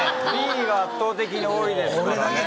Ｂが圧倒的に多いですからね。